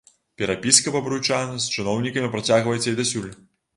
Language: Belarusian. Перапіска бабруйчан з чыноўнікамі працягваецца і дасюль.